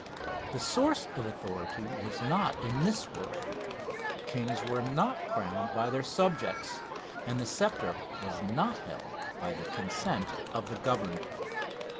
The source of authority was not in this world; kings were not crowned by their subjects, and the sceptre was not held by the consent of the governed.